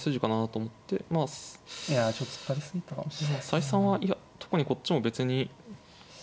採算はいや特にこっちも別に。